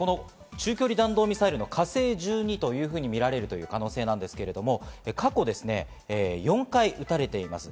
中距離弾道ミサイルの「火星１２」とみられるという可能性なんですけれども、過去ですね、４回撃たれています。